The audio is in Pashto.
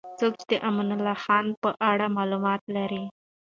څوک د امان الله خان په اړه معلومات لري؟